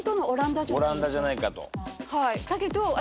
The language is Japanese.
オランダじゃないかと。